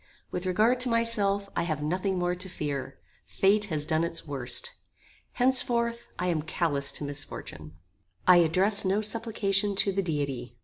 With regard to myself, I have nothing more to fear. Fate has done its worst. Henceforth, I am callous to misfortune. I address no supplication to the Deity.